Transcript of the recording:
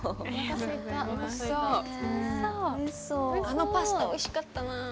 あのパスタおいしかったな。